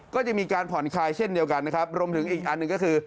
ก็จะมีการผ่อนคลายเช่นเดียวกันนะครับรวมถึงอีกอันหนึ่งก็คือ